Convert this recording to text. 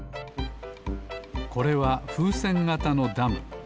これはふうせんがたのダム。